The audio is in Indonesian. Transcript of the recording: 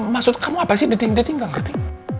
maksud kamu apa sih daddy daddy gak ngerti